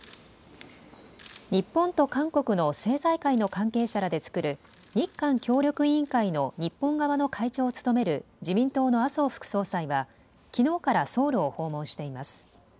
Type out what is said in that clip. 日本と韓国の政財界の関係者らで作る日韓協力委員会の日本側の会長を務める自民党の麻生副総裁はきのうからソウルを訪問しています。